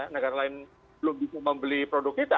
negara lain belum bisa membeli produk kita